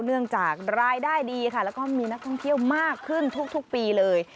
เนื่องจากรายได้ดีค่ะแล้วก็มีนักท่องเที่ยวมากขึ้นทุกปีเลย